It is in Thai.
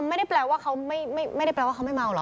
ไม่ได้แปลว่าเขาไม่เมาเหรอ